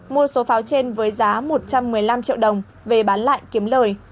mua số pháo trên với giá một trăm một mươi năm triệu đồng về bán lại kiếm lời